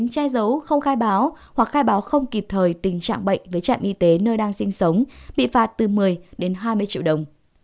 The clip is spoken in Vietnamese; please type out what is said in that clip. chính vì thế người nhiễm covid một mươi chín che giấu không khai báo hoặc khai báo không kịp thời tình trạng bệnh với trạm y tế nơi đang sinh sống bị phạt từ một mươi đến hai mươi triệu đồng